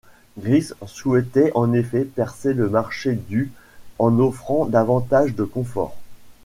Griggs souhaitait en effet percer le marché du ' en offrant davantage de confort.